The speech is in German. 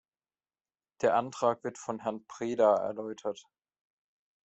Der Antrag wird von Herrn Preda erläutert.